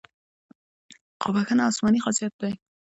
خو بښنه آسماني خاصیت دی.